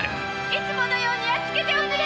いつものようにやっつけておくれ！